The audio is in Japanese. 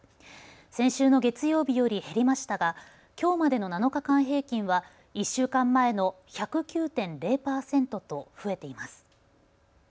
先週の月曜日より減りましたがきょうまでの７日間平均は１週間前の１０９．０％と増えています。